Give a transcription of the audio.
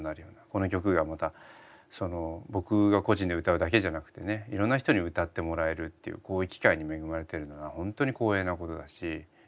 この曲がまた僕が個人で歌うだけじゃなくてねいろんな人に歌ってもらえるっていうこういう機会に恵まれてるのはホントに光栄なことだし。